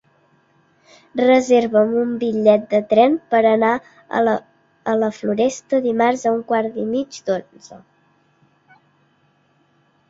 Reserva'm un bitllet de tren per anar a la Floresta dimarts a un quart i mig d'onze.